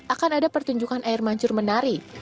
akan ada pertunjukan air mancur menari